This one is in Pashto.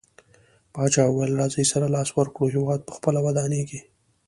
پاچاه وويل: راځٸ سره لاس ورکړو هيواد په خپله ودانيږي.